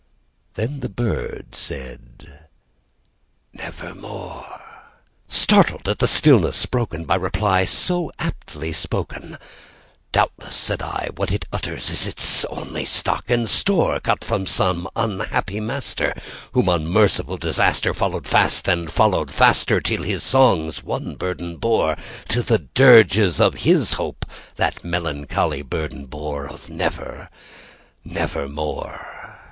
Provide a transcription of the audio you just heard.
Then the bird said, "Nevermore."Startled at the stillness broken by reply so aptly spoken,"Doubtless," said I, "what it utters is its only stock and store, Caught from some unhappy master whom unmerciful DisasterFollowed fast and followed faster till his songs one burden bore:Till the dirges of his Hope that melancholy burden boreOf 'Never—nevermore.